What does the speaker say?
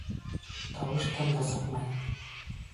Тауыш-тын да сыҡмай.